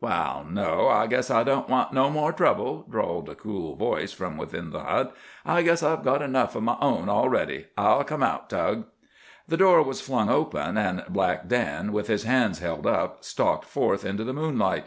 "Waal, no, I guess I don't want no more trouble," drawled a cool voice from within the hut. "I guess I've got enough o' my own already. I'll come out, Tug." The door was flung open, and Black Dan, with his hands held up, stalked forth into the moonlight.